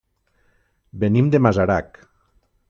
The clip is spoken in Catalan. Venim de Masarac.